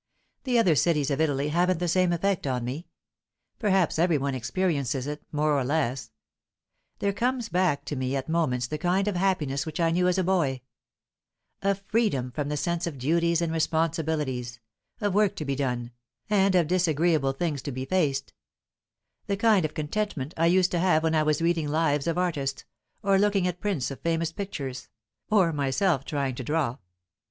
The other cities of Italy haven't the same effect on me. Perhaps every one experiences it, more or less. There comes back to me at moments the kind of happiness which I knew as a boy a freedom from the sense of duties and responsibilities, of work to be done, and of disagreeable things to be faced; the kind of contentment I used to have when I was reading lives of artists, or looking at prints of famous pictures, or myself trying to draw.